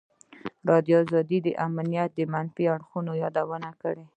ازادي راډیو د امنیت د منفي اړخونو یادونه کړې.